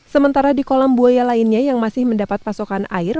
sementara di kolam buaya lainnya yang masih mendapat pasokan air